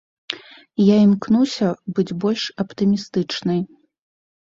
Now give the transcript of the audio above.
Я імкнуся быць больш аптымістычнай.